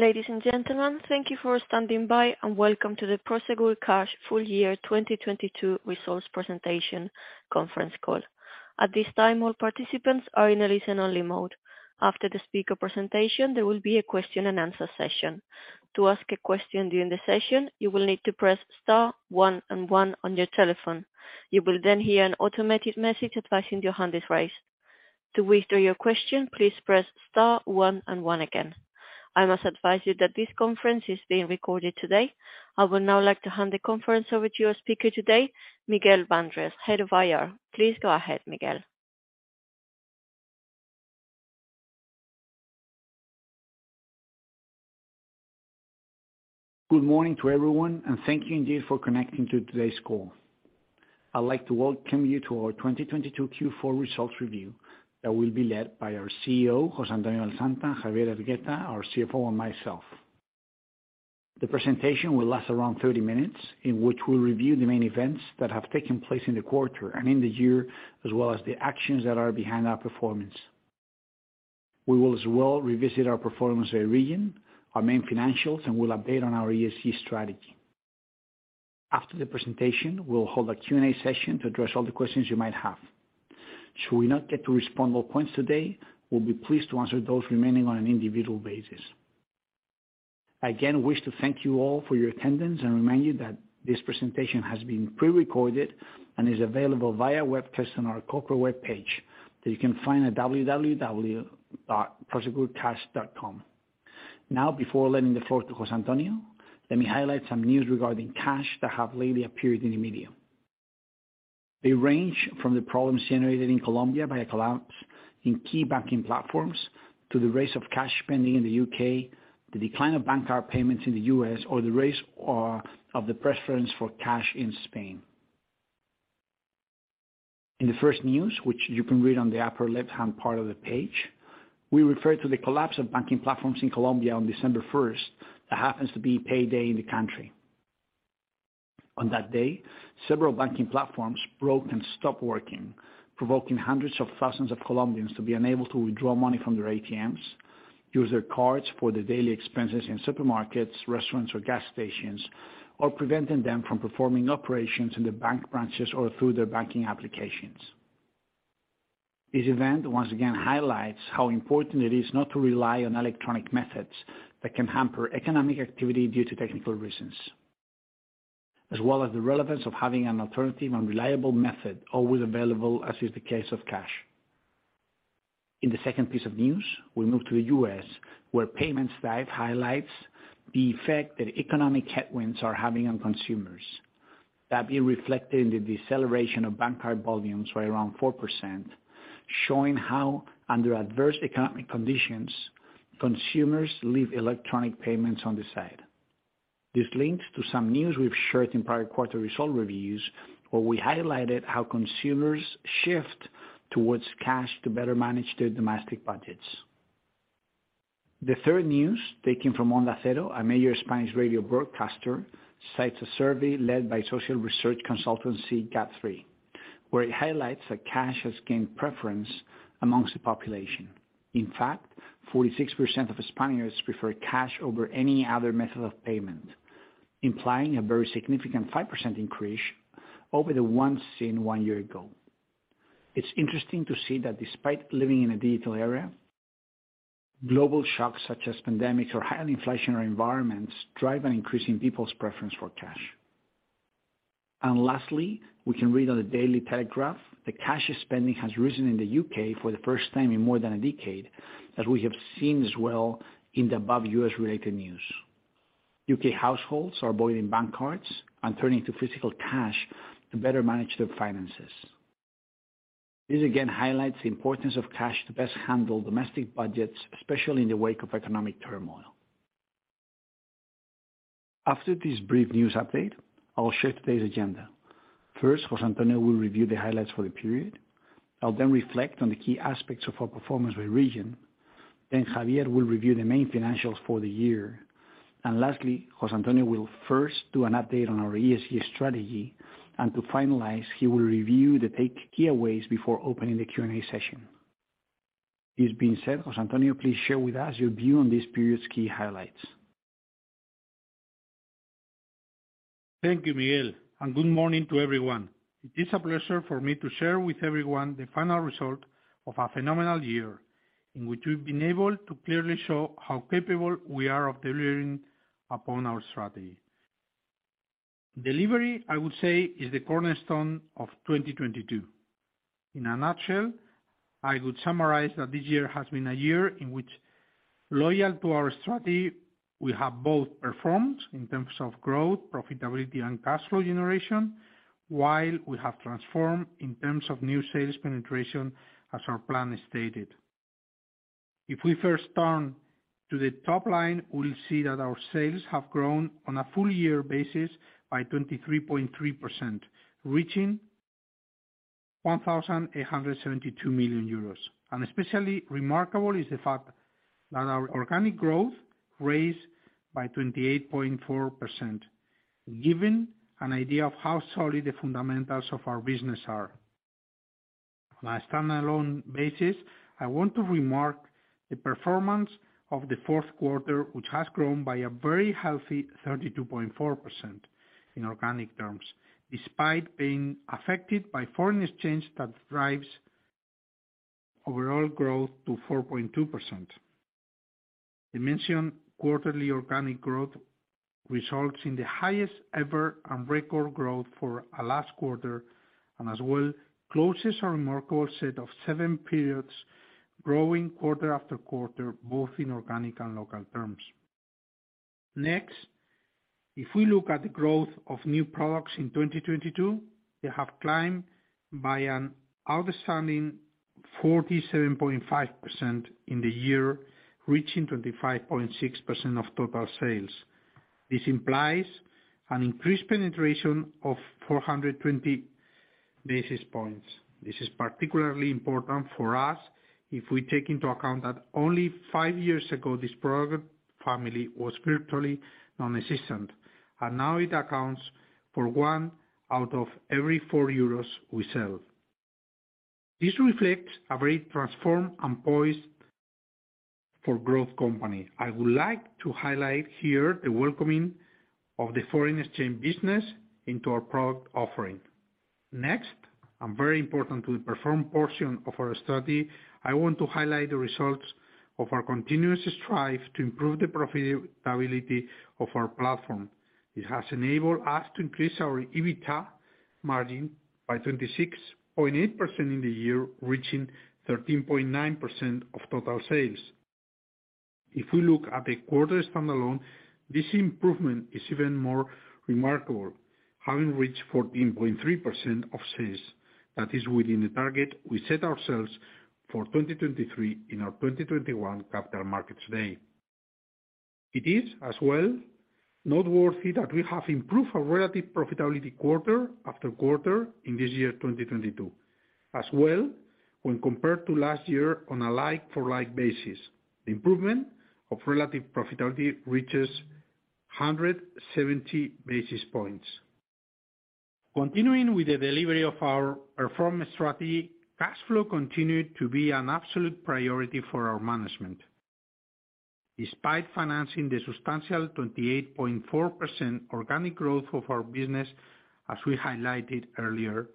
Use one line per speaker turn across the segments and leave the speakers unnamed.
Ladies and gentlemen, thank you for standing by, and welcome to the Prosegur Cash full-year 2022 results presentation conference call. At this time, all participants are in a listen only mode. After the speaker presentation, there will be a question and answer session. To ask a question during the session, you will need to press star one and one on your telephone. You will then hear an automated message advising your hand is raised. To withdraw your question, please press star one and one again. I must advise you that this conference is being recorded today. I would now like to hand the conference over to your speaker today, Miguel Bandrés, Head of IR. Please go ahead, Miguel.
Good morning to everyone. Thank you indeed for connecting to today's call. I'd like to welcome you to our 2022 Q4 results review that will be led by our CEO, José Antonio Lasanta, Javier Hergueta, our CFO, and myself. The presentation will last around 30 minutes, in which we'll review the main events that have taken place in the quarter and in the year, as well as the actions that are behind our performance. We will as well revisit our performance by region, our main financials, and we'll update on our ESG strategy. After the presentation, we'll hold a Q&A session to address all the questions you might have. Should we not get to respond all points today, we'll be pleased to answer those remaining on an individual basis. I again wish to thank you all for your attendance and remind you that this presentation has been pre-recorded and is available via webcast on our corporate webpage that you can find at www.prosegurcash.com. Before letting the floor to José Antonio, let me highlight some news regarding cash that have lately appeared in the media. They range from the problems generated in Colombia by a collapse in key banking platforms to the rise of cash spending in the U.K., the decline of bank card payments in the U.S., or the rise of the preference for cash in Spain. In the first news, which you can read on the upper left-hand part of the page, we refer to the collapse of banking platforms in Colombia on December first. That happens to be payday in the country. On that day, several banking platforms broke and stopped working, provoking hundreds of thousands of Colombians to be unable to withdraw money from their ATMs, use their cards for their daily expenses in supermarkets, restaurants or gas stations, or preventing them from performing operations in the bank branches or through their banking applications. This event once again highlights how important it is not to rely on electronic methods that can hamper economic activity due to technical reasons, as well as the relevance of having an alternative and reliable method always available, as is the case of cash. In the second piece of news, we move to the U.S., where Payments Dive highlights the effect that economic headwinds are having on consumers. That is reflected in the deceleration of bank card volumes by around 4%, showing how, under adverse economic conditions, consumers leave electronic payments on the side. This links to some news we've shared in prior quarter result reviews, where we highlighted how consumers shift towards cash to better manage their domestic budgets. The third news taking from Onda Cero, a major Spanish radio broadcaster, cites a survey led by social research consultancy GAD3, where it highlights that cash has gained preference amongst the population. In fact, 46% of Spaniards prefer cash over any other method of payment, implying a very significant 5% increase over the ones seen one year ago. It's interesting to see that despite living in a digital era, global shocks such as pandemics or high inflationary environments drive an increase in people's preference for cash. Lastly, we can read on The Daily Telegraph that cash spending has risen in the U.K. for the first time in more than a decade. As we have seen as well in the above U.S. related news, U.K. households are avoiding bank cards and turning to physical cash to better manage their finances. This again highlights the importance of cash to best handle domestic budgets, especially in the wake of economic turmoil. After this brief news update, I will share today's agenda. First, José Antonio will review the highlights for the period. I'll then reflect on the key aspects of our performance by region. Javier will review the main financials for the year. Lastly, José Antonio will first do an update on our ESG strategy, and to finalize, he will review the key takeaways before opening the Q&A session. This being said, José Antonio, please share with us your view on this period's key highlights.
Thank you, Miguel. Good morning to everyone. It is a pleasure for me to share with everyone the final result of a phenomenal year in which we've been able to clearly show how capable we are of delivering upon our strategy. Delivery, I would say, is the cornerstone of 2022. In a nutshell, I would summarize that this year has been a year in which, loyal to our strategy, we have both performed in terms of growth, profitability, and cash flow generation while we have transformed in terms of new sales penetration, as our plan stated. If we first turn to the top line, we'll see that our sales have grown on a full-year basis by 23.3%, reaching 1,872 million euros. Especially remarkable is the fact that our organic growth raised by 28.4%, giving an idea of how solid the fundamentals of our business are. On a standalone basis, I want to remark the performance of the fourth quarter, which has grown by a very healthy 32.4% in organic terms, despite being affected by foreign exchange that drives overall growth to 4.2%. Dimension quarterly organic growth results in the highest ever and record growth for a last quarter, and as well closes a remarkable set of seven periods growing quarter after quarter, both in organic and local terms. Next, if we look at the growth of new products in 2022, they have climbed by an outstanding 47.5% in the year, reaching 25.6% of total sales. This implies an increased penetration of 420 basis points. This is particularly important for us if we take into account that only five years ago, this product family was virtually non-existent. Now it accounts for one out of every four EUR we sell. This reflects a very transformed and poised for growth company. I would like to highlight here the welcoming of the foreign exchange business into our product offering. Next, very important to the perform portion of our study, I want to highlight the results of our continuous strive to improve the profitability of our platform. It has enabled us to increase our EBITDA margin by 26.8% in the year, reaching 13.9% of total sales. If we look at the quarter standalone, this improvement is even more remarkable, having reached 14.3% of sales. That is within the target we set ourselves for 2023 in our 2021 Capital Markets Day. It is as well noteworthy that we have improved our relative profitability quarter after quarter in this year, 2022. As well, when compared to last year on a like for like basis, the improvement of relative profitability reaches 170 basis points. Continuing with the delivery of our performance strategy, cash flow continued to be an absolute priority for our management. Despite financing the substantial 28.4% organic growth of our business, as we highlighted earlier,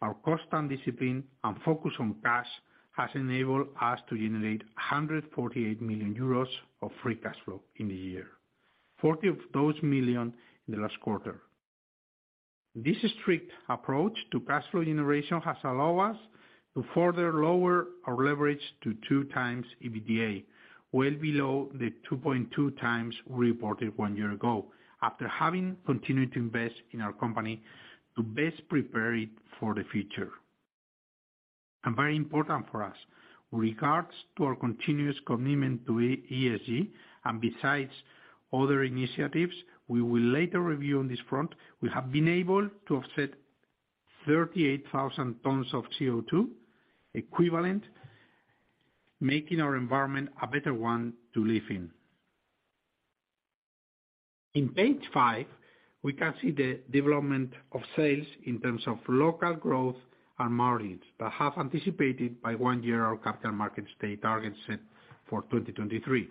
our constant discipline and focus on cash has enabled us to generate 148 million euros of Free Cash Flow in the year, 40 million of those in the last quarter. This strict approach to cash flow generation has allow us to further lower our leverage to 2x EBITDA, well below the 2.2x we reported one year ago, after having continued to invest in our company to best prepare it for the future. Very important for us, with regards to our continuous commitment to ESG, and besides other initiatives we will later review on this front, we have been able to offset 38,000 tons of CO2 equivalent, making our environment a better one to live in. In page 5, we can see the development of sales in terms of local growth and margins that have anticipated by one year our Capital Markets Day target set for 2023.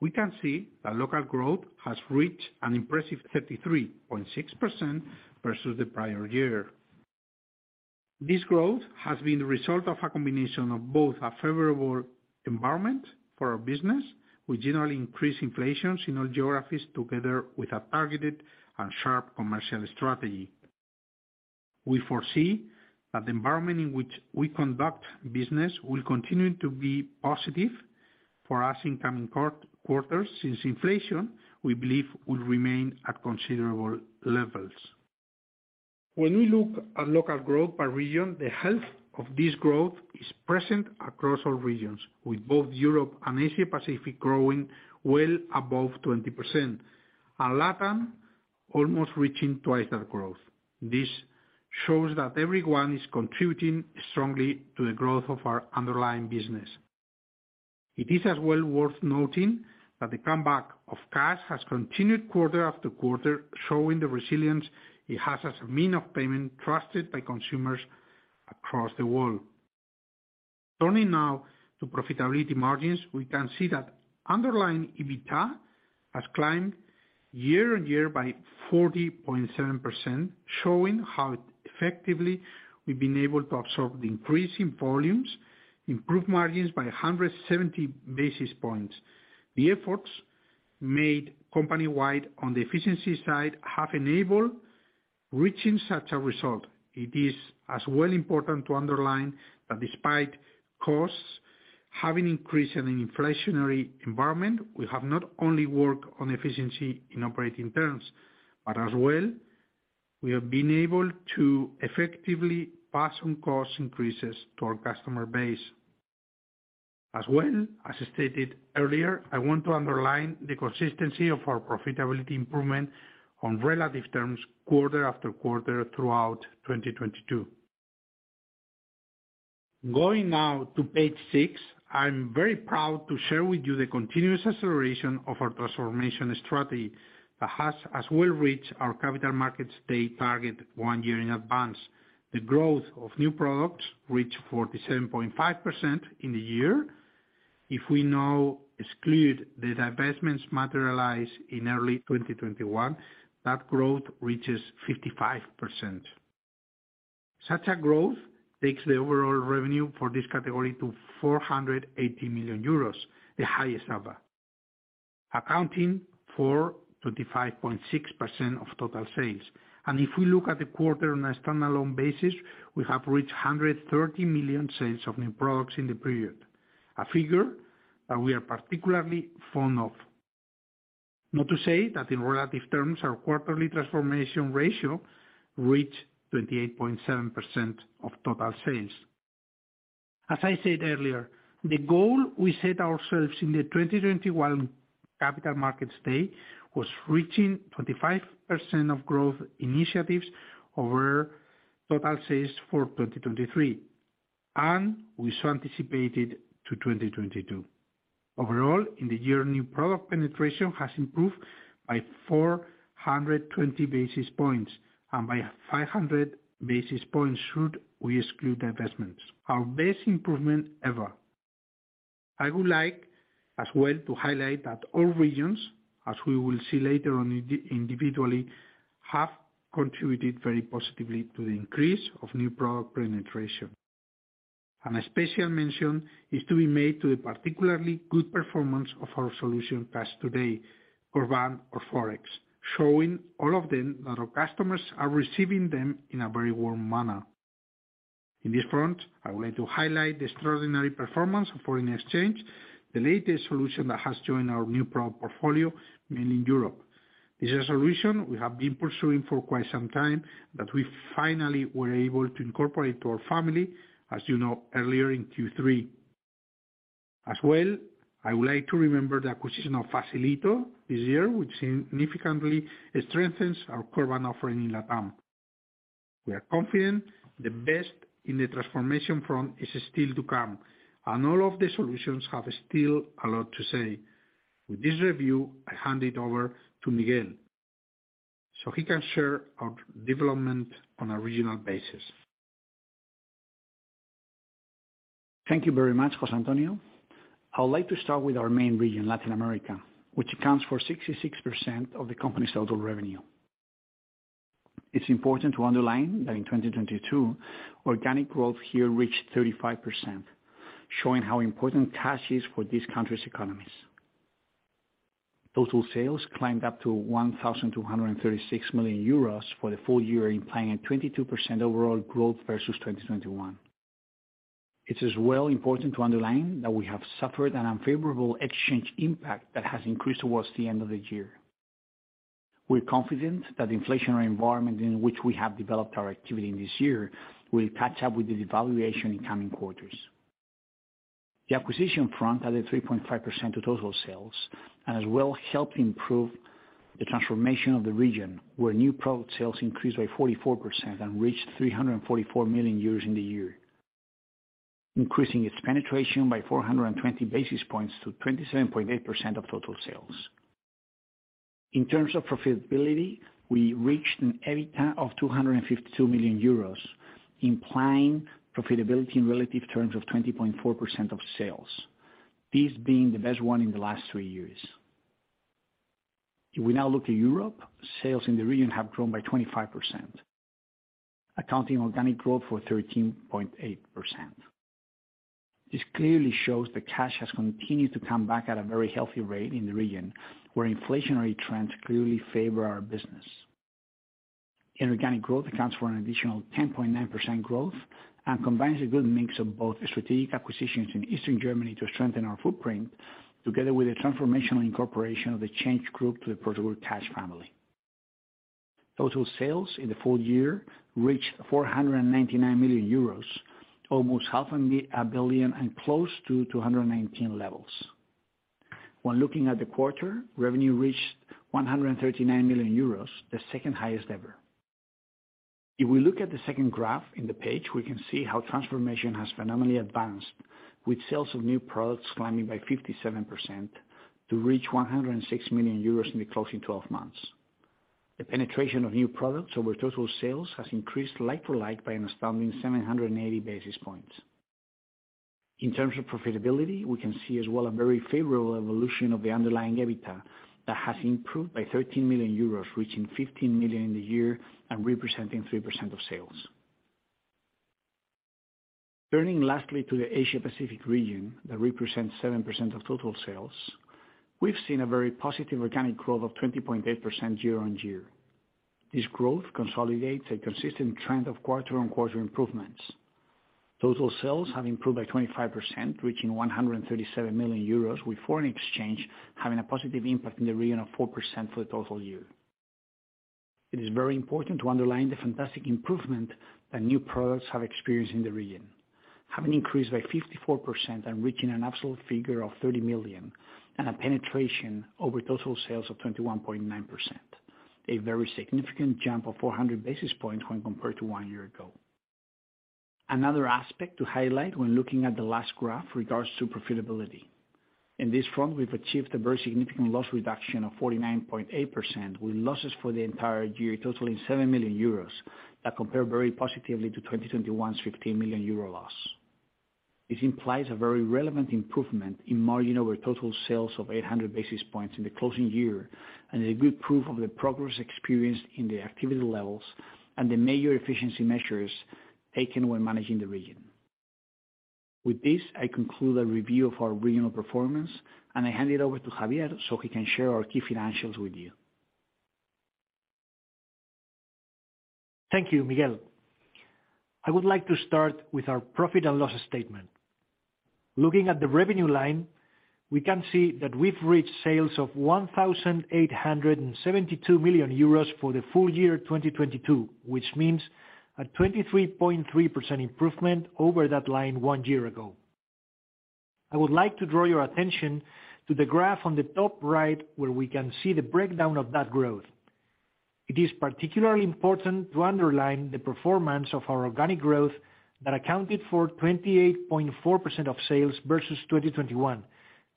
We can see that local growth has reached an impressive 33.6% versus the prior year. This growth has been the result of a combination of both a favorable environment for our business, with generally increased inflations in all geographies, together with a targeted and sharp commercial strategy. We foresee that the environment in which we conduct business will continue to be positive for us in coming quarters, since inflation, we believe, will remain at considerable levels. When we look at local growth by region, the health of this growth is present across all regions, with both Europe and Asia-Pacific growing well above 20%, and LATAM almost reaching twice that growth. This shows that everyone is contributing strongly to the growth of our underlying business. It is as well worth noting that the comeback of cash has continued quarter after quarter, showing the resilience it has as a mean of payment trusted by consumers across the world. Turning now to profitability margins, we can see that underlying EBITDA has climbed year-on-year by 40.7%, showing how effectively we've been able to absorb the increase in volumes, improve margins by 170 basis points. The efforts made company-wide on the efficiency side have enabled reaching such a result. It is as well important to underline that despite costs having increased in an inflationary environment, we have not only worked on efficiency in operating terms, but as well, we have been able to effectively pass on cost increases to our customer base. As well, as I stated earlier, I want to underline the consistency of our profitability improvement on relative terms quarter after quarter throughout 2022. Going now to page 6, I'm very proud to share with you the continuous acceleration of our transformation strategy that has as well reached our Capital Markets Day target one year in advance. The growth of new products reached 47.5% in the year. If we now exclude the divestments materialized in early 2021, that growth reaches 55%. Such a growth takes the overall revenue for this category to 480 million euros, the highest ever, accounting for 25.6% of total sales. If we look at the quarter on a standalone basis, we have reached 130 million sales of new products in the period, a figure that we are particularly fond of. Not to say that in relative terms, our quarterly transformation ratio reached 28.7% of total sales. As I said earlier, the goal we set ourselves in the 2021 Capital Markets Day was reaching 25% of growth initiatives over total sales for 2023, we so anticipated to 2022. Overall, in the year, new product penetration has improved by 420 basis points, by 500 basis points should we exclude the investments. Our best improvement ever. I would like as well to highlight that all regions, as we will see later on individually, have contributed very positively to the increase of new product penetration. A special mention is to be made to the particularly good performance of our solution Cash Today, CORBAN or Forex, showing all of them that our customers are receiving them in a very warm manner. In this front, I'm going to highlight the extraordinary performance of foreign exchange, the latest solution that has joined our new product portfolio made in Europe. This is a solution we have been pursuing for quite some time that we finally were able to incorporate to our family, as you know earlier in Q3. As well, I would like to remember the acquisition of Facilito this year, which significantly strengthens our CORBAN offering in Latam. We are confident the best in the transformation front is still to come, and all of the solutions have still a lot to say. With this review, I hand it over to Miguel so he can share our development on a regional basis.
Thank you very much, José Antonio. I would like to start with our main region, Latin America, which accounts for 66% of the company's total revenue. It's important to underline that in 2022, organic growth here reached 35%, showing how important cash is for this country's economies. Total sales climbed up to 1,236 million euros for the full-year, implying a 22% overall growth versus 2021. It is well important to underline that we have suffered an unfavorable exchange impact that has increased towards the end of the year. We're confident that the inflationary environment in which we have developed our activity this year will catch up with the devaluation in coming quarters. The acquisition front added 3.5% to total sales and as well helped improve the transformation of the region, where new product sales increased by 44% and reached 344 million in the year, increasing its penetration by 420 basis points to 27.8% of total sales. In terms of profitability, we reached an EBITDA of 252 million euros, implying profitability in relative terms of 20.4% of sales, this being the best one in the last three years. If we now look at Europe, sales in the region have grown by 25%, accounting organic growth for 13.8%. This clearly shows the cash has continued to come back at a very healthy rate in the region where inflationary trends clearly favor our business. Inorganic growth accounts for an additional 10.9% growth and combines a good mix of both strategic acquisitions in Eastern Germany to strengthen our footprint, together with the transformational incorporation of The Change Group to the Prosegur Cash family. Total sales in the full-year reached 499 million euros, almost half a billion and close to 219 levels. When looking at the quarter, revenue reached 139 million euros, the second highest ever. If we look at the second graph in the page, we can see how transformation has phenomenally advanced with sales of new products climbing by 57% to reach 106 million euros in the closing 12 months. The penetration of new products over total sales has increased like for like by an astounding 780 basis points. In terms of profitability, we can see as well a very favorable evolution of the underlying EBITDA that has improved by 13 million euros, reaching 15 million in the year and representing 3% of sales. Turning lastly to the Asia-Pacific region, that represents 7% of total sales, we've seen a very positive organic growth of 20.8% year-on-year. This growth consolidates a consistent trend of quarter-on-quarter improvements. Total sales have improved by 25%, reaching 137 million euros, with foreign exchange having a positive impact in the region of 4% for the total year. It is very important to underline the fantastic improvement that new products have experienced in the region, have increased by 54% and reaching an absolute figure of 30 million and a penetration over total sales of 21.9%. A very significant jump of 400 basis points when compared to one year ago. Another aspect to highlight when looking at the last graph regards to profitability. In this front, we've achieved a very significant loss reduction of 49.8%, with losses for the entire year totaling 7 million euros. That compare very positively to 2021's 15 million euro loss. This implies a very relevant improvement in margin over total sales of 800 basis points in the closing year, and a good proof of the progress experienced in the activity levels and the major efficiency measures taken when managing the region. With this, I conclude a review of our regional performance, and I hand it over to Javier so he can share our key financials with you.
Thank you, Miguel. I would like to start with our profit and loss statement. Looking at the revenue line, we can see that we've reached sales of 1,872 million euros for the full-year 2022, which means a 23.3% improvement over that line one year ago. I would like to draw your attention to the graph on the top right, where we can see the breakdown of that growth. It is particularly important to underline the performance of our organic growth that accounted for 28.4% of sales versus 2021.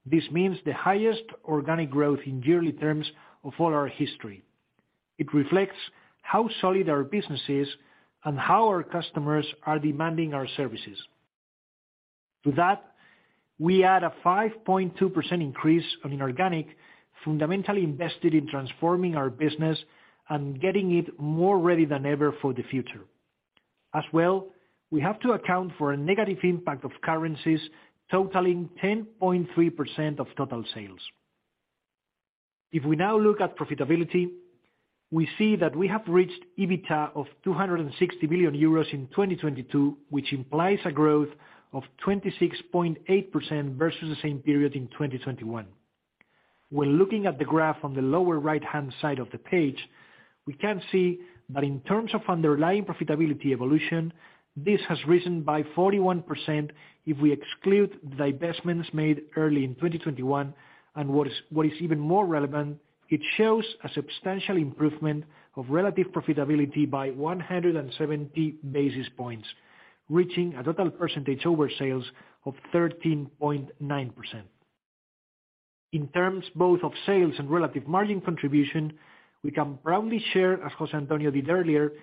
This means the highest organic growth in yearly terms of all our history. It reflects how solid our business is and how our customers are demanding our services. To that, we add a 5.2% increase on inorganic, fundamentally invested in transforming our business and getting it more ready than ever for the future. We have to account for a negative impact of currencies totaling 10.3% of total sales. We now look at profitability, we see that we have reached EBITDA of 260 million euros in 2022, which implies a growth of 26.8% versus the same period in 2021. Looking at the graph on the lower right-hand side of the page, we can see that in terms of underlying profitability evolution, this has risen by 41% if we exclude the divestments made early in 2021. What is even more relevant, it shows a substantial improvement of relative profitability by 170 basis points, reaching a total percentage over sales of 13.9%. In terms both of sales and relative margin contribution, we can proudly share, as José Antonio did earlier,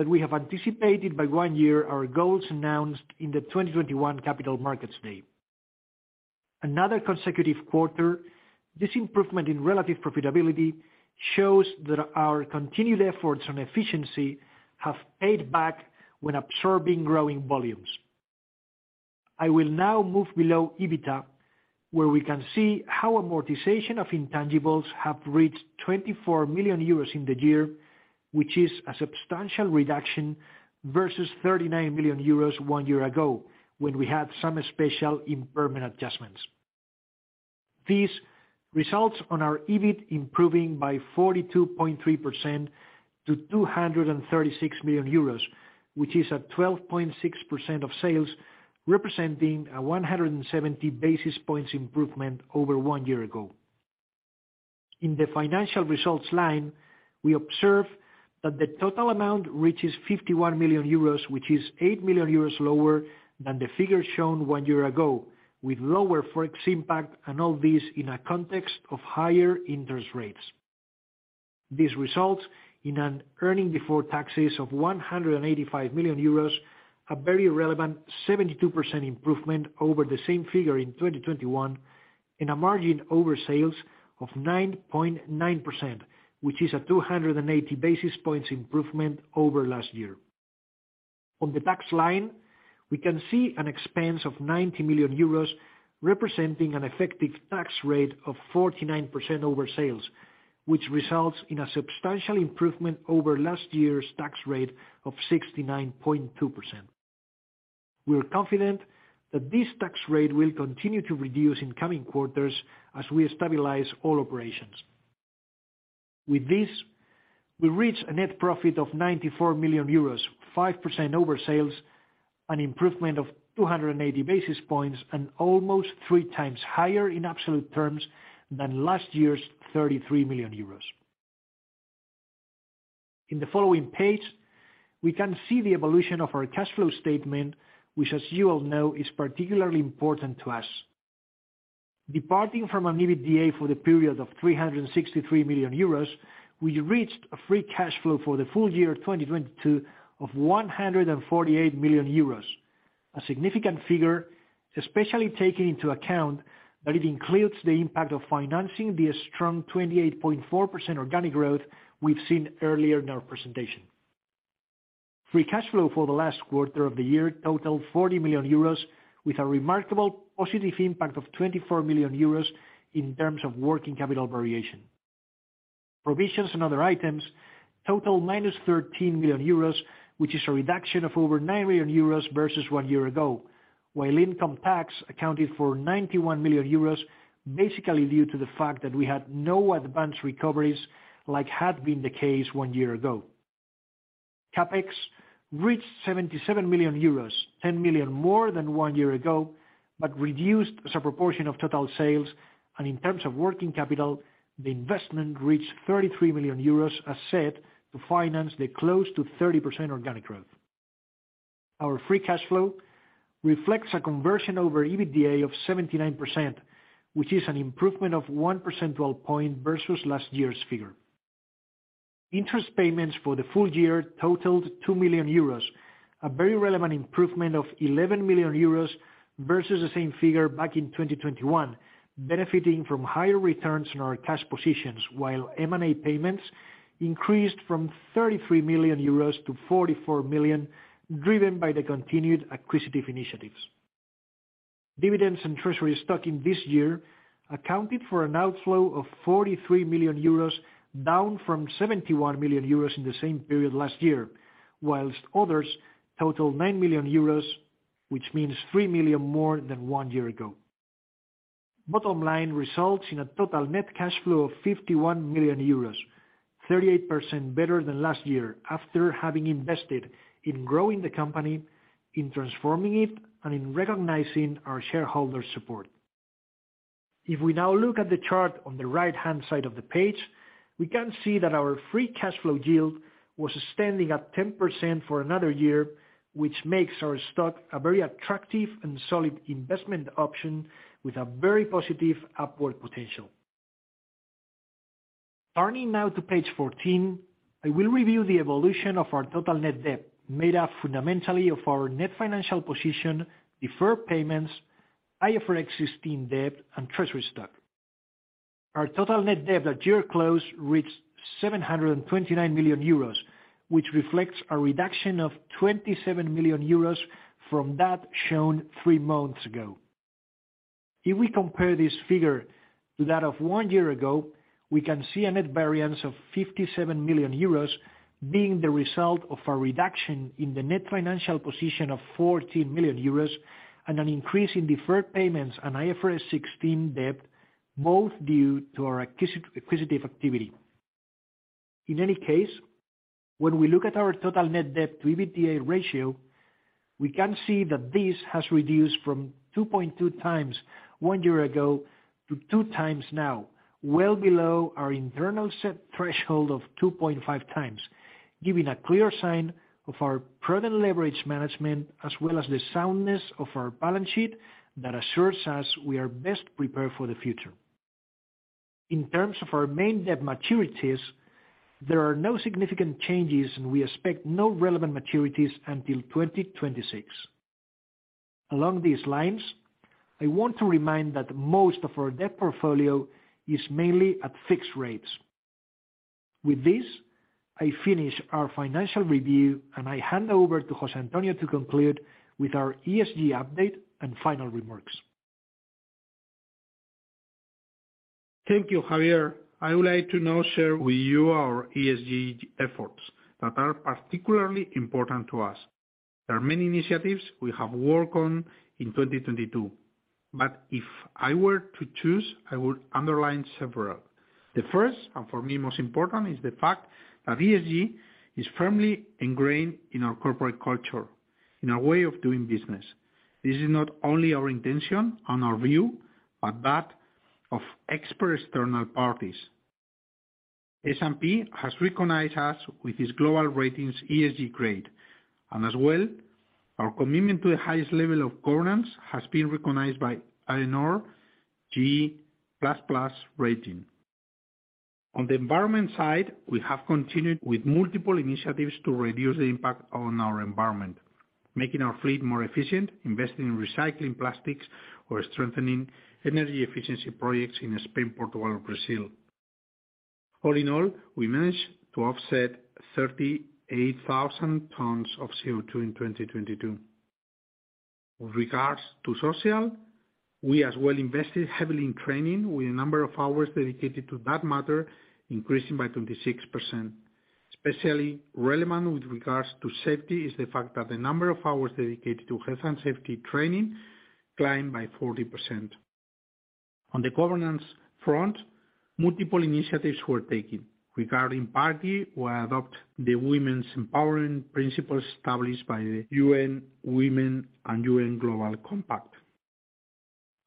that we have anticipated by one year our goals announced in the 2021 Capital Markets Day. Another consecutive quarter, this improvement in relative profitability shows that our continued efforts on efficiency have paid back when absorbing growing volumes. I will now move below EBITDA, where we can see how amortization of intangibles have reached 24 million euros in the year, which is a substantial reduction versus 39 million euros one year ago, when we had some special impairment adjustments. These results on our EBIT improving by 42.3% to 236 million euros, which is at 12.6% of sales, representing a 170 basis points improvement over one year ago. In the financial results line, we observe that the total amount reaches 51 million euros, which is 8 million euros lower than the figure shown one year ago, with lower Forex impact, and all this in a context of higher interest rates. This results in an earning before taxes of 185 million euros, a very relevant 72% improvement over the same figure in 2021, and a margin over sales of 9.9%, which is a 280 basis points improvement over last year. On the tax line, we can see an expense of 90 million euros, representing an effective tax rate of 49% over sales, which results in a substantial improvement over last year's tax rate of 69.2%. We're confident that this tax rate will continue to reduce in coming quarters as we stabilize all operations. With this, we reach a net profit of 94 million euros, 5% over sales, an improvement of 280 basis points, and almost 3x higher in absolute terms than last year's 33 million euros. In the following page, we can see the evolution of our cash flow statement, which, as you all know, is particularly important to us. Departing from an EBITDA for the period of 363 million euros, we reached a Free Cash Flow for the full-year 2022 of 148 million euros. A significant figure, especially taking into account that it includes the impact of financing the strong 28.4% organic growth we've seen earlier in our presentation. Free Cash Flow for the last quarter of the year totaled 40 million euros, with a remarkable positive impact of 24 million euros in terms of working capital variation. Provisions and other items total minus 13 million euros, which is a reduction of over 9 million euros versus one year ago, while income tax accounted for 91 million euros, basically due to the fact that we had no advanced recoveries like had been the case one year ago. CAPEX reached 77 million euros, 10 million more than one year ago, but reduced as a proportion of total sales. In terms of working capital, the investment reached 33 million euros, as said, to finance the close to 30% organic growth. Our free cash flow reflects a conversion over EBITDA of 79%, which is an improvement of 1 percentile point versus last year's figure. Interest payments for the full-year totaled 2 million euros, a very relevant improvement of 11 million euros versus the same figure back in 2021, benefiting from higher returns on our cash positions, while M&A payments increased from 33 million euros to 44 million, driven by the continued acquisitive initiatives. Dividends and treasury stock in this year accounted for an outflow of 43 million euros, down from 71 million euros in the same period last year, whilst others totaled 9 million euros, which means 3 million more than one year ago. Bottom line results in a total net cash flow of 51 million euros, 38% better than last year after having invested in growing the company, in transforming it, and in recognizing our shareholders' support. If we now look at the chart on the right-hand side of the page, we can see that our Free Cash Flow Yield was standing at 10% for another year, which makes our stock a very attractive and solid investment option with a very positive upward potential. Turning now to page 14, I will review the evolution of our total net debt, made up fundamentally of our net financial position, deferred payments, IFRS 16 debt, and treasury stock. Our total net debt at year close reached 729 million euros, which reflects a reduction of 27 million euros from that shown three months ago. If we compare this figure to that of one year ago, we can see a net variance of 57 million euros being the result of a reduction in the net financial position of 14 million euros and an increase in deferred payments and IFRS 16 debt, both due to our acquisitive activity. In any case, when we look at our total net debt to EBITDA ratio, we can see that this has reduced from 2.2x one year ago to 2x now, well below our internal set threshold of 2.5x, giving a clear sign of our prudent leverage management as well as the soundness of our balance sheet that assures us we are best prepared for the future. In terms of our main debt maturities, there are no significant changes. We expect no relevant maturities until 2026. Along these lines, I want to remind that most of our debt portfolio is mainly at fixed rates. With this, I finish our financial review, I hand over to José Antonio to conclude with our ESG update and final remarks.
Thank you, Javier. I would like to now share with you our ESG efforts that are particularly important to us. There are many initiatives we have worked on in 2022, but if I were to choose, I would underline several. The first, and for me, most important, is the fact that ESG is firmly ingrained in our corporate culture, in our way of doing business. This is not only our intention and our view, but that of expert external parties. S&P has recognized us with its global ratings ESG grade, and as well, our commitment to the highest level of governance has been recognized by AENOR G++ rating. On the environment side, we have continued with multiple initiatives to reduce the impact on our environment, making our fleet more efficient, investing in recycling plastics, or strengthening energy efficiency projects in Spain, Portugal, Brazil. All in all, we managed to offset 38,000 tons of CO2 in 2022. With regards to social, we as well invested heavily in training, with a number of hours dedicated to that matter increasing by 26%. Especially relevant with regards to safety is the fact that the number of hours dedicated to health and safety training climbed by 40%. On the governance front, multiple initiatives were taken. Regarding party, we adopt the Women's Empowerment Principles established by the UN Women and UN Global Compact.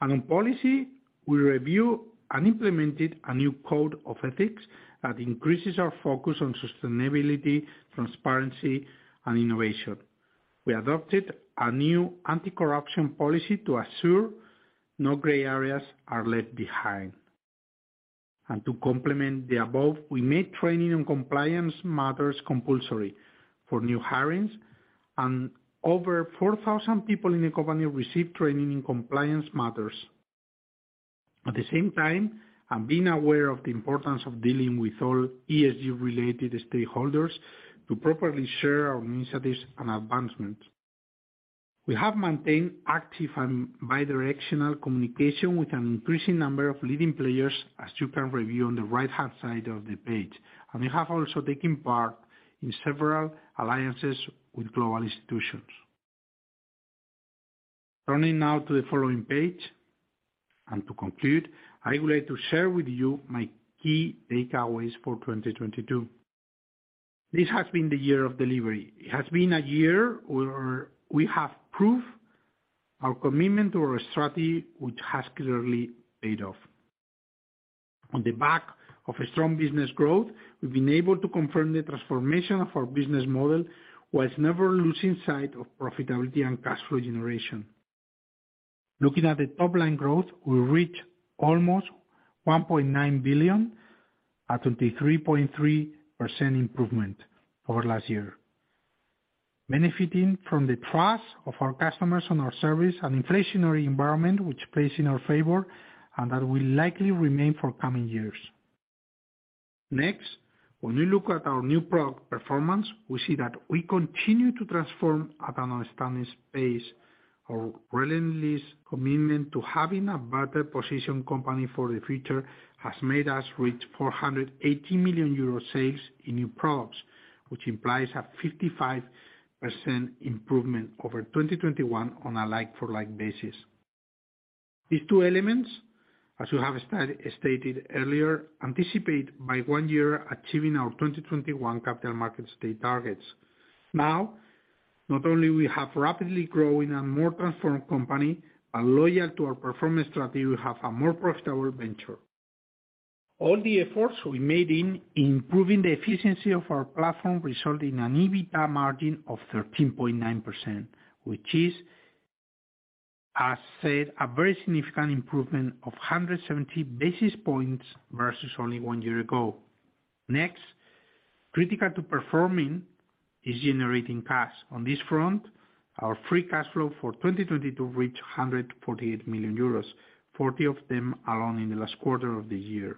On policy, we review and implemented a new code of ethics that increases our focus on sustainability, transparency, and innovation. We adopted a new anti-corruption policy to assure no gray areas are left behind. To complement the above, we made training on compliance matters compulsory for new hirings, and over 4,000 people in the company received training in compliance matters. Being aware of the importance of dealing with all ESG related stakeholders to properly share our initiatives and advancements, we have maintained active and bidirectional communication with an increasing number of leading players, as you can review on the right-hand side of the page, and we have also taken part in several alliances with global institutions. To conclude, I would like to share with you my key takeaways for 2022. This has been the year of delivery. It has been a year where we have proved our commitment to our strategy, which has clearly paid off. On the back of a strong business growth, we've been able to confirm the transformation of our business model while never losing sight of profitability and cash flow generation. Looking at the top-line growth, we reached almost EUR 1.9 billion at a 3.3% improvement over last year, benefiting from the trust of our customers on our service and inflationary environment which plays in our favor and that will likely remain for coming years. When we look at our new product performance, we see that we continue to transform at an outstanding pace. Our relentless commitment to having a better positioned company for the future has made us reach 480 million euro sales in new products, which implies a 55% improvement over 2021 on a like-for-like basis. These two elements, as we have stated earlier, anticipate by one year achieving our 2021 Capital Markets Day targets. Not only we have rapidly growing and more transformed company, but loyal to our performance strategy, we have a more profitable venture. All the efforts we made in improving the efficiency of our platform result in an EBITDA margin of 13.9%, which is, as said, a very significant improvement of 170 basis points versus only one year ago. Critical to performing is generating cash. On this front, our Free Cash Flow for 2022 reached 148 million euros, 40 of them alone in the last quarter of the year.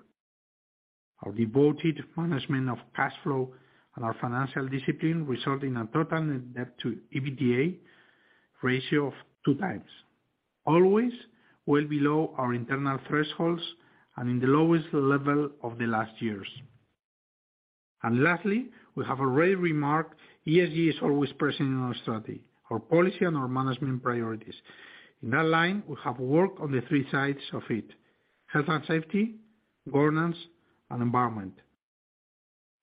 Our devoted management of cash flow and our financial discipline result in a total net debt to EBITDA ratio of 2x. Always well below our internal thresholds and in the lowest level of the last years. Lastly, we have already remarked, ESG is always present in our strategy, our policy and our management priorities. In that line, we have worked on the three sides of it, health and safety, governance and environment.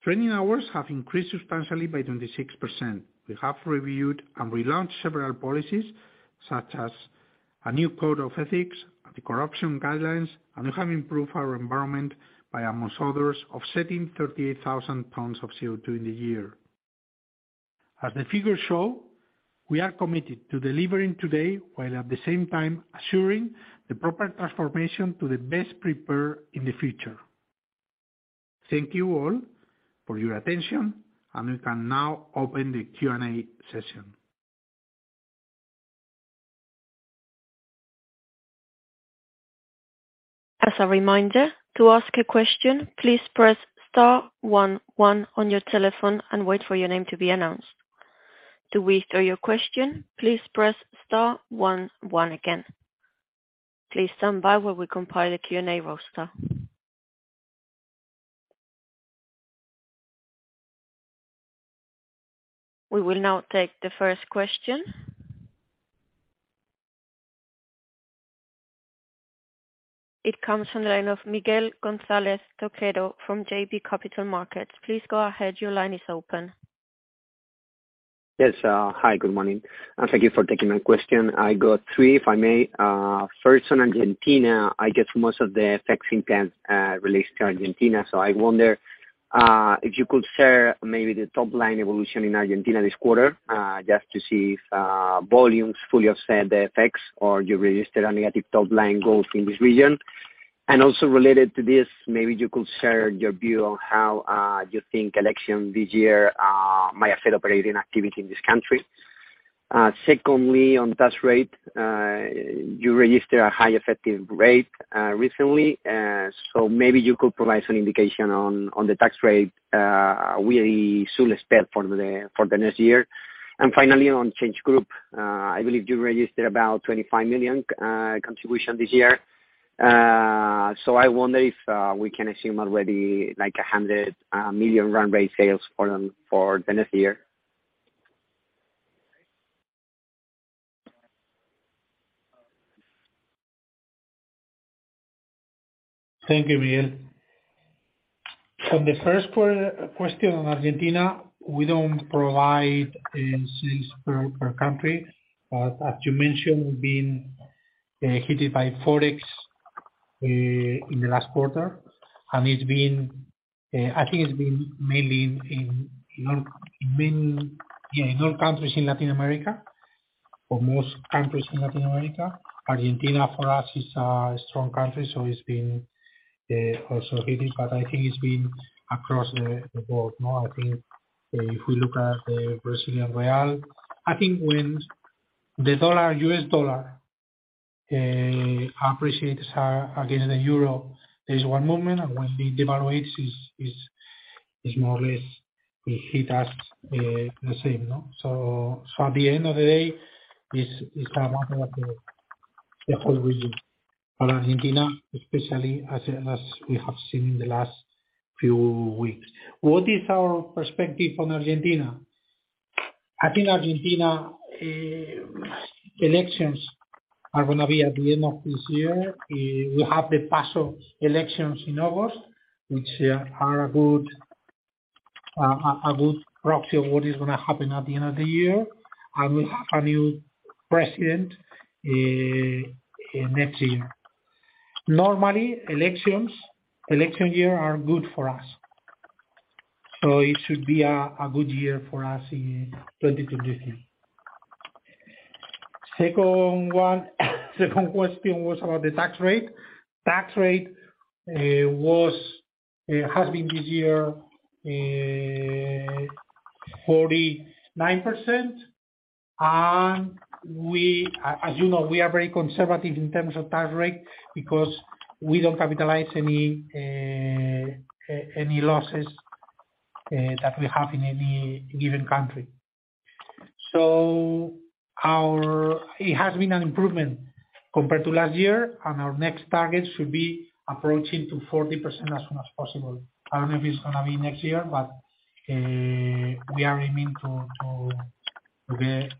Training hours have increased substantially by 26%. We have reviewed and relaunched several policies such as a new code of ethics, anti-corruption guidelines, and we have improved our environment by among others, offsetting 38,000 pounds of CO2 in the year. As the figures show, we are committed to delivering today while at the same time assuring the proper transformation to the best prepare in the future. Thank you all for your attention, we can now open the Q&A session.
As a reminder, to ask a question, please press star one one on your telephone and wait for your name to be announced. To withdraw your question, please press star one one again. Please stand by while we compile a Q&A roster. We will now take the first question. It comes from the line of Miguel González Toquero from JB Capital Markets. Please go ahead. Your line is open.
Yes. Hi, good morning, thank you for taking my question. I got three, if I may. First on Argentina. I guess most of the effects you can release to Argentina. I wonder if you could share maybe the top line evolution in Argentina this quarter, just to see if volumes fully offset the effects or you registered a negative top line growth in this region. Also related to this, maybe you could share your view on how you think election this year might affect operating activity in this country. Secondly, on tax rate, you registered a high effective rate recently. Maybe you could provide some indication on the tax rate we soon expect for the next year. Finally, on The Change Group, I believe you registered about 25 million contribution this year. I wonder if we can assume already like 100 million run rate sales for them for the next year.
Thank you, Miguel. For the first question on Argentina, we don't provide sales per country. As you mentioned, we've been hit by Forex in the last quarter, and it's been, I think it's been mainly in all main, yeah, in all countries in Latin America or most countries in Latin America. Argentina, for us, is a strong country, so it's been also hit, but I think it's been across the board, no. I think if we look at the Brazilian real, I think when the dollar, US dollar, appreciates against the euro, there is one movement and when it devaluates, it's more or less it hit us the same, you know. At the end of the day, it's a matter of the whole region. Argentina, especially as we have seen in the last few weeks. What is our perspective on Argentina? I think Argentina, elections are gonna be at the end of this year. We have the PASO elections in August, which are a good proxy of what is gonna happen at the end of the year. We'll have a new president next year. Normally, election year are good for us. It should be a good year for us in 2023. Second question was about the tax rate. Tax rate has been this year 49%. As you know, we are very conservative in terms of tax rate because we don't capitalize any losses that we have in any given country. Our, It has been an improvement compared to last year. Our next target should be approaching to 40% as soon as possible. I don't know if it's gonna be next year, but we are aiming to get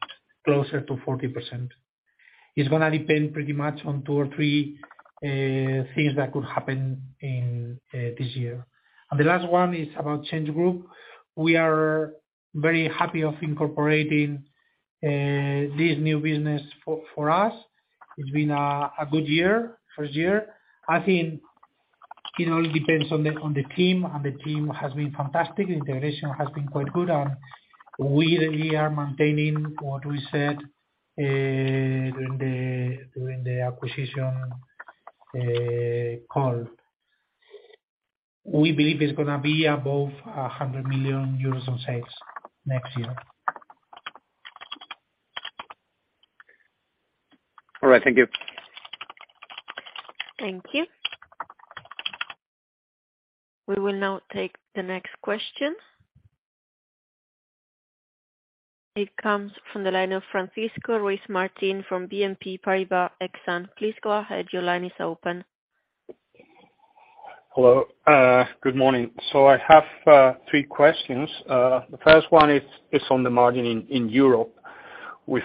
closer to 40%. It's gonna depend pretty much on two or three things that could happen this year. The last one is about Change Group. We are very happy of incorporating this new business for us. It's been a good year, first year. I think it all depends on the team, and the team has been fantastic. Integration has been quite good, and we really are maintaining what we said during the acquisition call. We believe it's gonna be above 100 million euros in sales next year.
All right. Thank you. Thank you. We will now take the next question. It comes from the line of Francisco Ruiz Martin from BNP Paribas Exane. Please go ahead. Your line is open.
Hello. Good morning. I have three questions. The first one is on the margin in Europe with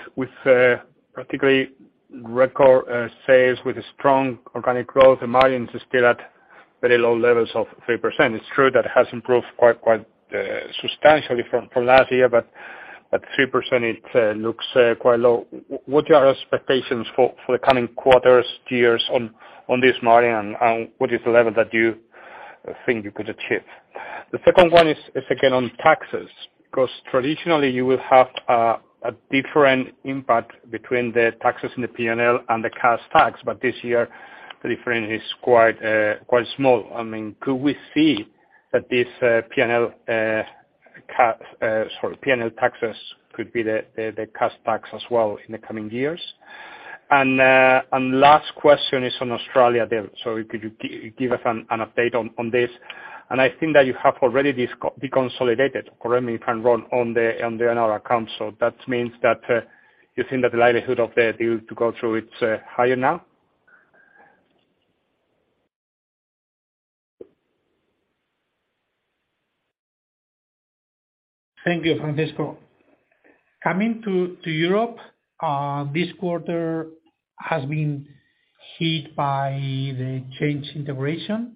particularly record sales with a strong organic growth. The margin is still at very low levels of 3%. It's true that it has improved quite substantially from last year, but at 3% it looks quite low. What are your expectations for the coming quarters, years on this margin, and what is the level that you think you could achieve? The second one is again on taxes. Traditionally you will have a different impact between the taxes and the P&L and the cash tax, but this year the difference is quite small. I mean, could we see that this, P&L, sorry, P&L taxes could be the cash tax as well in the coming years? Last question is on Australia deal. Could you give us an update on this? I think that you have already deconsolidated or.
Thank you, Francisco. Coming to Europe, this quarter has been hit by the Change integration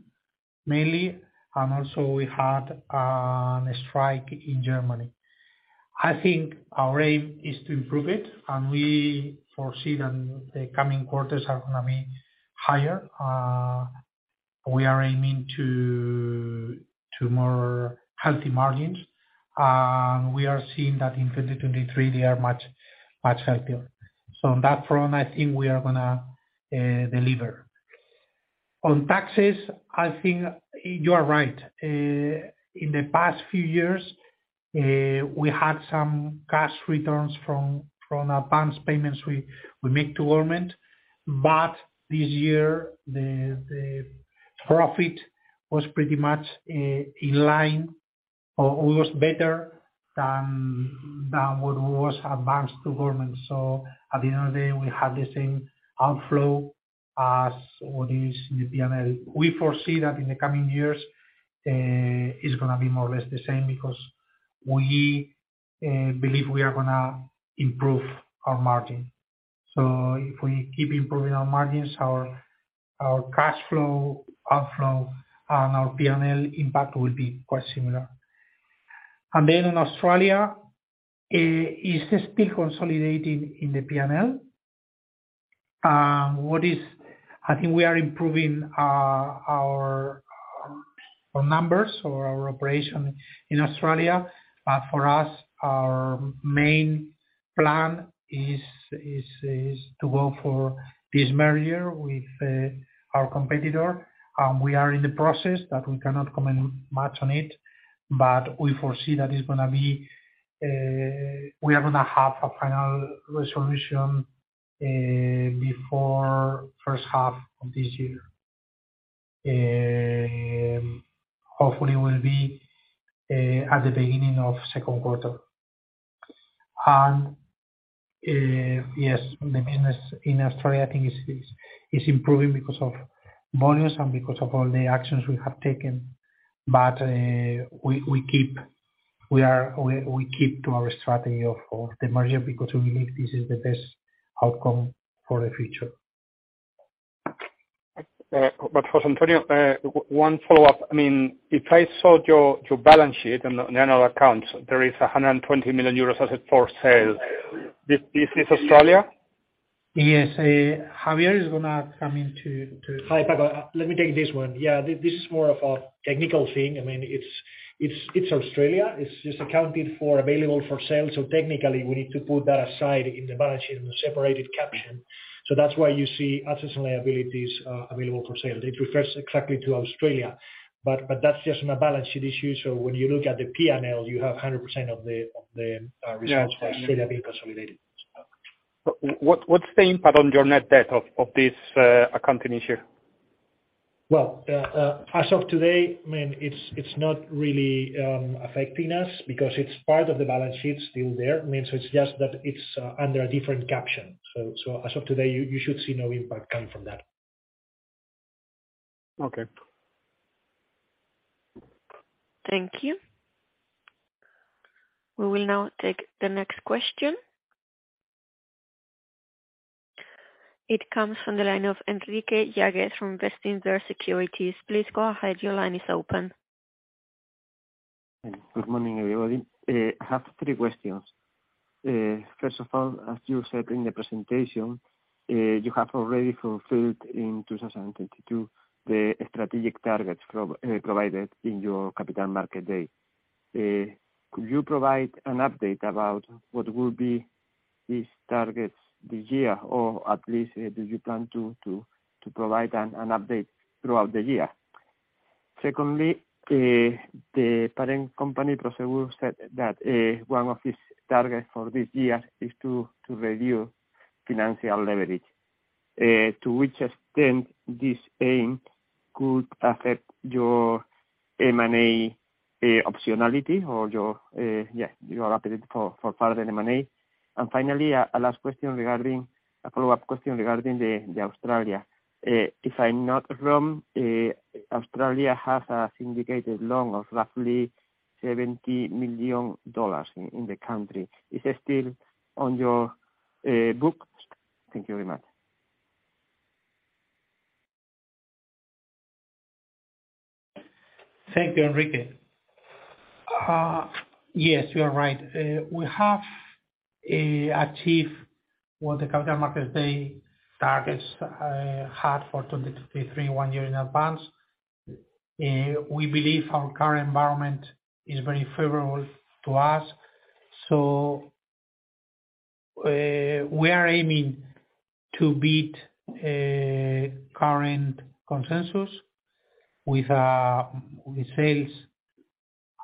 mainly, also we had a strike in Germany. I think our aim is to improve it, and we foresee that the coming quarters are gonna be higher. We are aiming to more healthy margins. We are seeing that in 2023 they are much, much healthier. On that front, I think we are gonna deliver. On taxes, I think you are right. In the past few years, we had some cash returns from advance payments we make to government. This year, the profit was pretty much in line or almost better than what was advanced to government. At the end of the day, we have the same outflow as what is in the P&L. We foresee that in the coming years, it's gonna be more or less the same because we believe we are gonna improve our margin. If we keep improving our margins, our cash flow, outflow and our P&L impact will be quite similar. In Australia, is still consolidating in the P&L. I think we are improving our numbers or our operation in Australia. For us, our main plan is to go for this merger with our competitor. We are in the process, but we cannot comment much on it. We foresee that it's gonna be, we are gonna have a final resolution before first half of this year. Hopefully will be at the beginning of second quarter. Yes, the business in Australia, I think is improving because of volumes and because of all the actions we have taken. We keep to our strategy of the merger because we believe this is the best outcome for the future.
José Antonio, one follow-up. I mean, if I saw your balance sheet in the, in the annual accounts, there is 120 million euros asset for sale. This is Australia?
Yes. Javier is gonna come in to.
Hi, Paco. Let me take this one. Yeah. This is more of a technical thing. I mean, it's Australia. It's just accounted for available for sale, technically we need to put that aside in the balance sheet in a separated caption. That's why you see assets and liabilities, available for sale. It refers exactly to Australia, but that's just on a balance sheet issue. When you look at the P&L, you have 100% of the results-
Yeah.
from Australia being consolidated.
What's the impact on your net debt of this accounting issue?
as of today, I mean, it's not really affecting us because it's part of the balance sheet still there. I mean, so it's just that it's under a different caption. as of today, you should see no impact coming from that.
Okay.
Thank you. We will now take the next question. It comes from the line of Enrique Yágüez from Bestinver Securities. Please go ahead. Your line is open.
Good morning, everybody. I have three questions. First of all, as you said in the presentation, you have already fulfilled in 2022 the strategic targets provided in your Capital Markets Day. Could you provide an update about what will be these targets this year, or at least, do you plan to provide an update throughout the year? Secondly, the parent company, Prosegur, said that one of its targets for this year is to review financial leverage. To which extent this aim could affect your M&A optionality or your, yeah, your appetite for further M&A. Finally, a follow-up question regarding the Australia. If I'm not wrong, Australia has a syndicated loan of roughly 70 million dollars in the country. Is it still on your book? Thank you very much.
Thank you, Enrique. Yes, you are right. We have achieved what the Capital Markets Day targets had for 2023 one year in advance. We believe our current environment is very favorable to us. We are aiming to beat current consensus with sales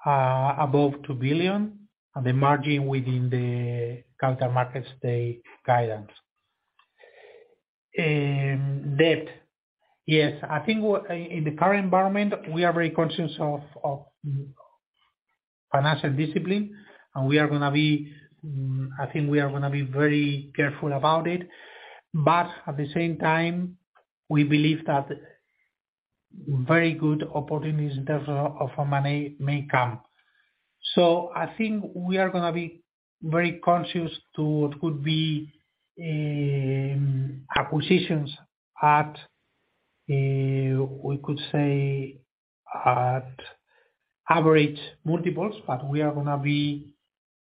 above 2 billion and the margin within the Capital Markets Day guidance. Debt. Yes. I think in the current environment, we are very conscious of financial discipline, and we are gonna be, I think we are gonna be very careful about it. At the same time, we believe that very good opportunities in terms of M&A may come. I think we are gonna be very conscious to what could be acquisitions at, we could say at average multiples. We are gonna be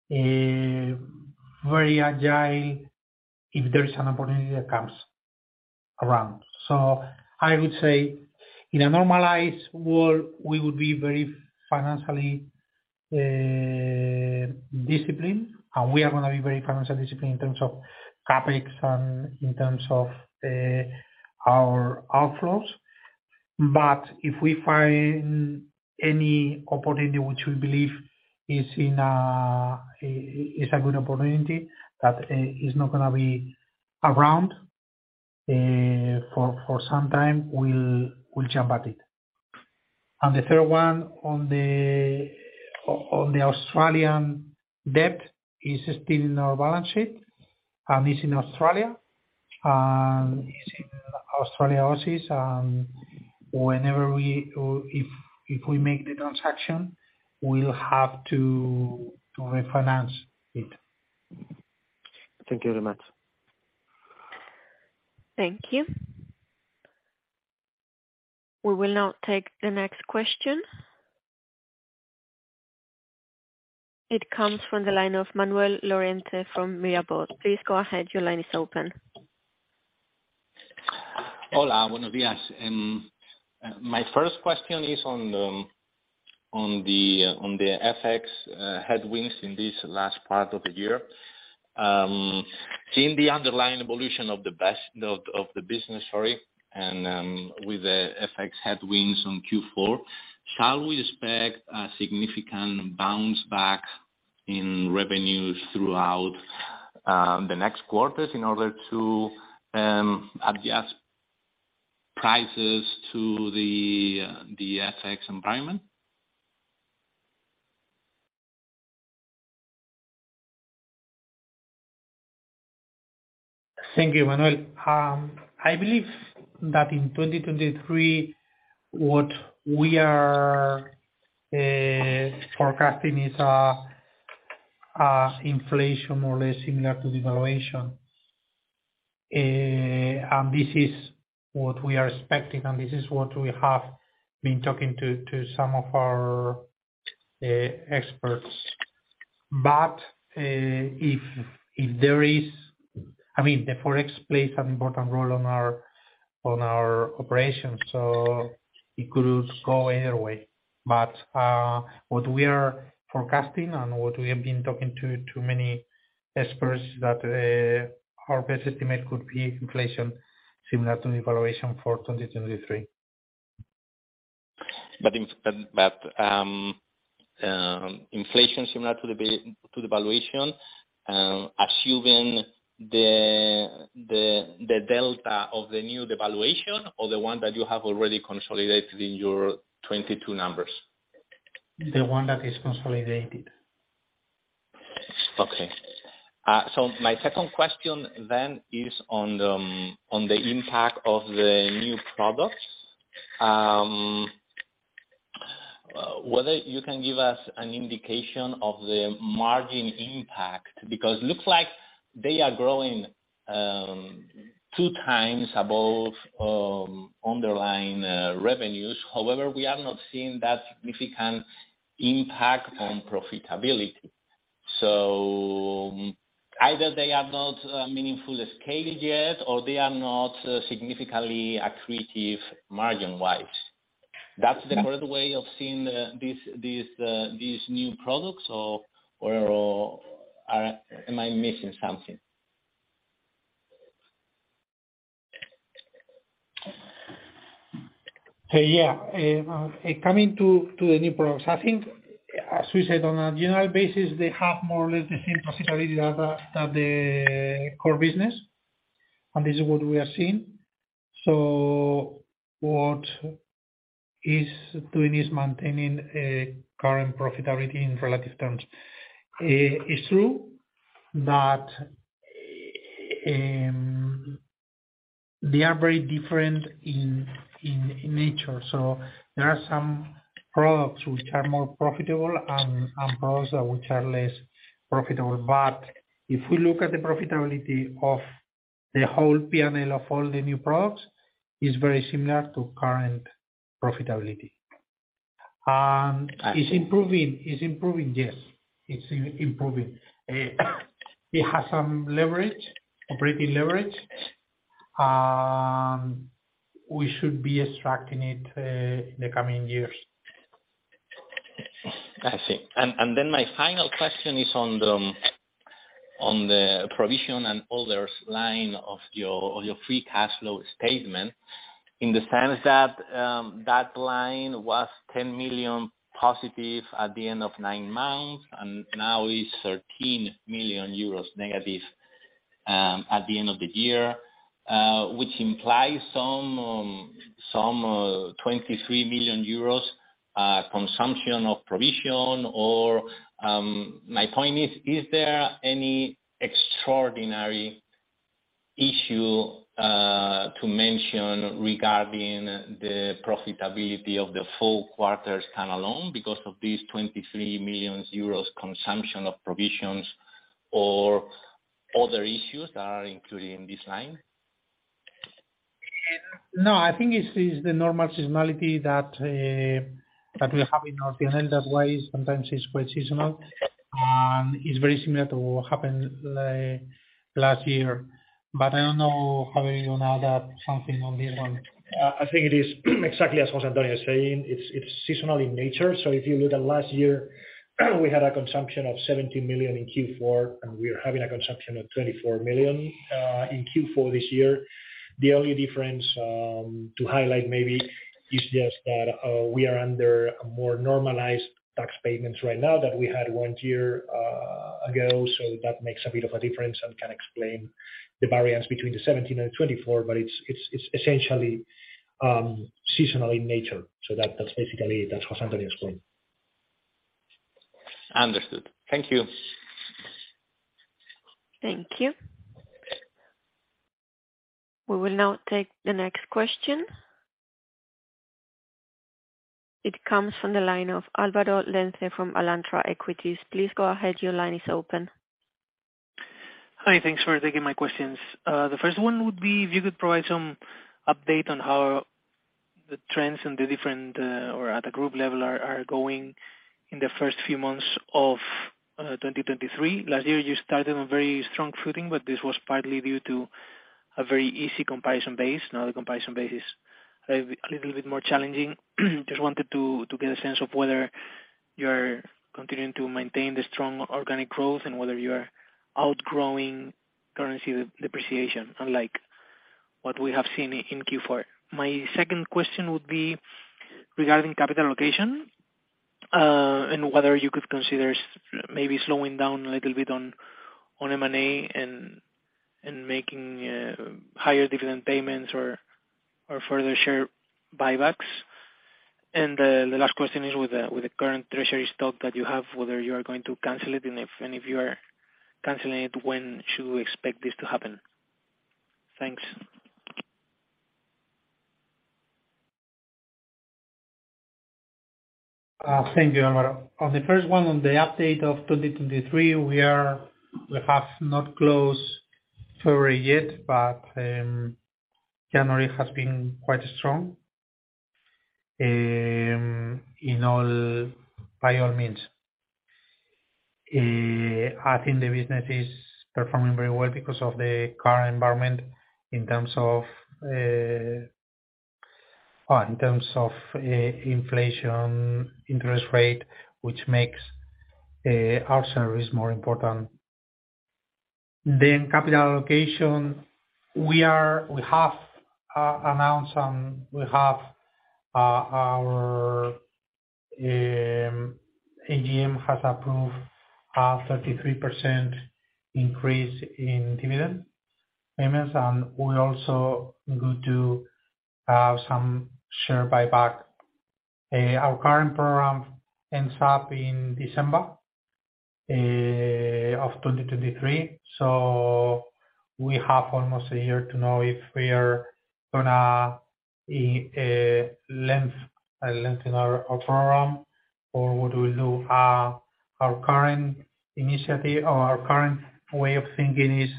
very agile if there is an opportunity that comes around. I would say in a normalized world, we would be very financially disciplined, and we are gonna be very financially disciplined in terms of CapEx and in terms of our outflows. If we find any opportunity which we believe is a good opportunity that is not gonna be around for some time, we'll jump at it. The third one on the Australian debt is still in our balance sheet, and it's in Australia. It's in Australia offices, and if we make the transaction, we'll have to refinance it.
Thank you very much.
Thank you. We will now take the next question. It comes from the line of Manuel Lorente from Mirabaud. Please go ahead. Your line is open.
Hola, buenos dias. My first question is on the FX headwinds in this last part of the year. Seeing the underlying evolution of the business, sorry, and with the FX headwinds on Q4, shall we expect a significant bounce back in revenues throughout, the next quarters in order to adjust prices to the FX environment?
Thank you, Manuel. I believe that in 2023, what we are forecasting is inflation more or less similar to the valuation. This is what we are expecting, and this is what we have been talking to some of our experts. I mean, the Forex plays an important role on our operations, so it could go either way. What we are forecasting and what we have been talking to many experts that our best estimate could be inflation similar to the valuation for 2023.
Inflation similar to the valuation, assuming the delta of the new devaluation or the one that you have already consolidated in your 22 numbers?
The one that is consolidated.
Okay. My second question is on the impact of the new products. Whether you can give us an indication of the margin impact, because looks like they are growing 2x above underlying revenues. However, we have not seen that significant impact on profitability. Either they are not meaningfully scaled yet, or they are not significantly accretive margin-wise. That's the correct way of seeing these new products or am I missing something?
Coming to the new products, I think as we said, on a general basis, they have more or less the same profitability as the core business, and this is what we are seeing. What is doing is maintaining current profitability in relative terms. It is true that they are very different in nature. There are some products which are more profitable and products which are less profitable. If we look at the profitability of the whole P&L of all the new products, it's very similar to current profitability. It's improving. It's improving, yes. It's improving. It has some leverage, operating leverage. We should be extracting it in the coming years.
I see. Then my final question is on the provision and others line of your Free Cash Flow statement, in the sense that line was 10 million positive at the end of nine months, and now is 13 million euros negative, at the end of the year, which implies some 23 million euros consumption of provision or. My point is there any extraordinary issue to mention regarding the profitability of the full quarters standalone because of these 23 million euros consumption of provisions or other issues that are included in this line?
No, I think it's the normal seasonality that we have in our P&L. That's why sometimes it's quite seasonal, and it's very similar to what happened last year. I don't know, Javi, you know that, something on this one.
I think it is exactly as José Antonio is saying. It's seasonal in nature. If you look at last year, we had a consumption of 70 million in Q4, and we are having a consumption of 24 million in Q4 this year. The only difference to highlight maybe is just that we are under a more normalized tax payments right now than we had one year ago. That makes a bit of a difference and can explain the variance between the 17 and 24. It's essentially seasonal in nature. That's basically, that's what José Antonio explained.
Understood. Thank you.
Thank you. We will now take the next question. It comes from the line of Álvaro Lenze from Alantra Equities. Please go ahead. Your line is open.
Hi. Thanks for taking my questions. The first one would be if you could provide some update on how the trends in the different, or at the group level are going in the first few months of 2023. Last year, you started on very strong footing, but this was partly due to a very easy comparison base. Now the comparison base is a little bit more challenging. Just wanted to get a sense of whether you're continuing to maintain the strong organic growth and whether you are outgrowing currency depreciation, unlike what we have seen in Q4. My second question would be regarding capital allocation. And whether you could consider maybe slowing down a little bit on M&A and making higher dividend payments or further share buybacks. The last question is with the current treasury stock that you have, whether you are going to cancel it, and if you are canceling it, when should we expect this to happen? Thanks.
Thank you, Álvaro. The first one, on the update of 2023, we have not closed February yet, January has been quite strong. In all, by all means. I think the business is performing very well because of the current environment in terms of inflation, interest rate, which makes our service more important. Capital allocation, we have announced, we have our AGM has approved a 33% increase in dividend payments, and we also go to some share buyback. Our current program ends up in December of 2023. We have almost a year to know if we are gonna lengthen our program or what do we do. Our current initiative or our current way of thinking is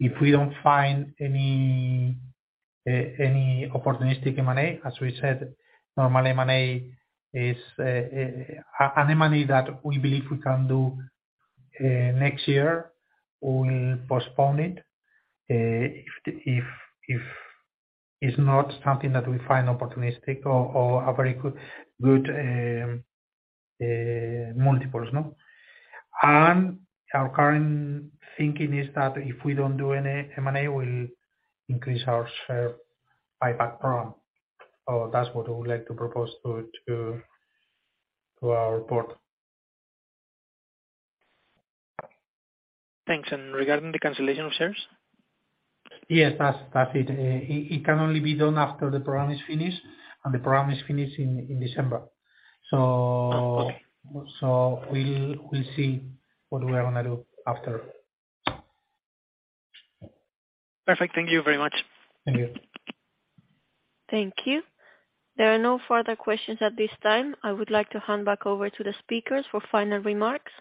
if we don't find any opportunistic M&A, as we said, normally M&A is an M&A that we believe we can do next year, we'll postpone it. If it's not something that we find opportunistic or a very good multiples, no? Our current thinking is that if we don't do any M&A, we'll increase our share buyback program. That's what we would like to propose to our board.
Thanks. Regarding the cancellation of shares?
Yes. That's it. It can only be done after the program is finished, and the program is finished in December.
Oh, okay.
We'll see what we're gonna do after.
Perfect. Thank you very much.
Thank you.
Thank you. There are no further questions at this time. I would like to hand back over to the speakers for final remarks.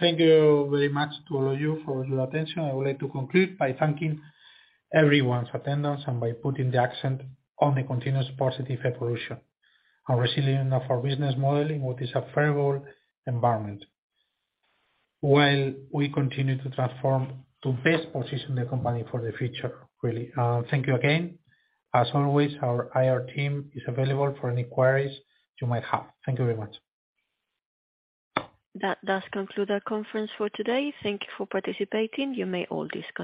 Thank you very much to all of you for your attention. I would like to conclude by thanking everyone's attendance and by putting the accent on the continuous positive evolution and resilience of our business model in what is a favorable environment, while we continue to transform to best position the company for the future, really. Thank you again. As always, our IR team is available for any queries you might have. Thank you very much.
That does conclude our conference for today. Thank you for participating. You may all disconnect.